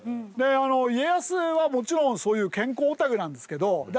家康はもちろんそういう健康オタクなんですけどあ